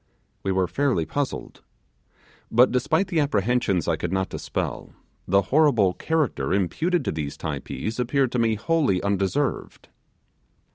We were fairly puzzled. But despite the apprehensions I could not dispel, the horrible character imputed to these Typees appeared to be wholly undeserved.